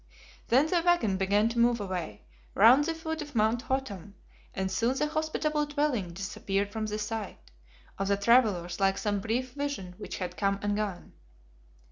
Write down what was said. Then the wagon began to move away, round the foot of Mount Hottam, and soon the hospitable dwelling disappeared from the sight of the travelers like some brief vision which had come and gone.